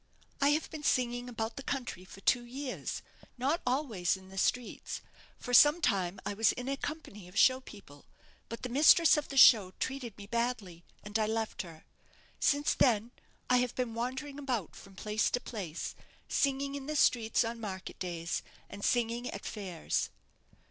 "I have been singing about the country for two years; not always in the streets, for some time I was in a company of show people; but the mistress of the show treated me badly, and I left her. Since then I have been wandering about from place to place, singing in the streets on market days, and singing at fairs."